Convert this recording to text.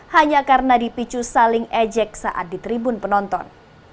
hanya karena dipicu saling ejek saat di tribun penonton